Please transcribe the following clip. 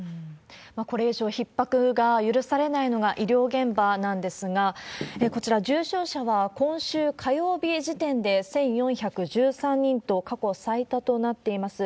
これ以上ひっ迫が許されないのが医療現場なんですが、こちら、重症者は今週火曜日時点で１４１３人と、過去最多となっています。